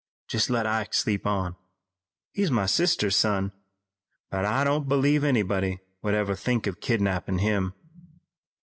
Jest let Ike sleep on. He's my sister's son, but I don't b'lieve anybody would ever think of kidnappin' him."